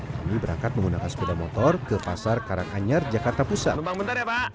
kami berangkat menggunakan sepeda motor ke pasar karanganyar jakarta pusat